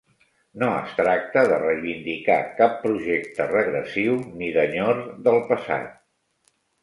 No es tracta de reivindicar cap projecte regressiu, ni d’enyor del passat.